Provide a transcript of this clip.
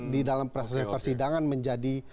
di dalam proses persidangan menjadi